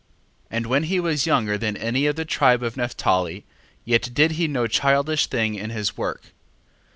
1:4. And when he was younger than any of the tribe of Nephtali, yet did he no childish thing in his work.